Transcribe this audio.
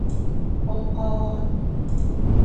องค์กร